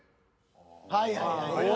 はいはい。